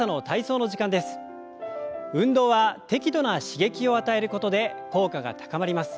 運動は適度な刺激を与えることで効果が高まります。